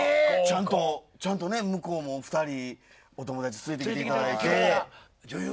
ちゃんと向こうも２人友達連れて来てもらって。